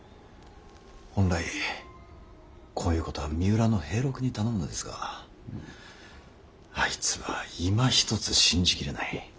本来こういうことは三浦の平六に頼むのですがあいつはいまひとつ信じ切れない。